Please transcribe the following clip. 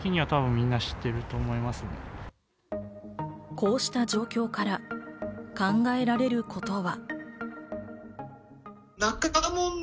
こうした状況から考えられることは。